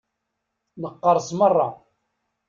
Neqqerṣ meṛṛa.